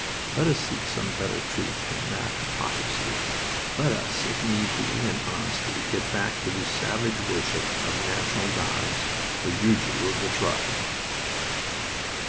Let us seek some better truth than that hypocrisy! Let us, if need be, in honesty, get back to the savage worship of national gods, the Ju ju of the tribe."